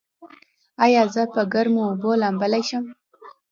ایا زه په ګرمو اوبو لامبلی شم؟